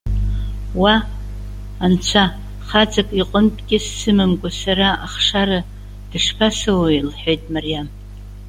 Уа, Анцәа! Хаҵак иҟынтә кьыс сымамкәа сара ахшара дышԥасоуеи?- лҳәеит Мариам.